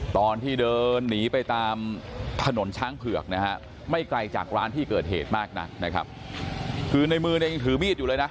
ตอนที่เดินหนีไปตามถนนช้างเผือกนะฮะไม่ไกลจากร้านที่เกิดเหตุมากนักนะครับคือในมือเนี่ยยังถือมีดอยู่เลยนะ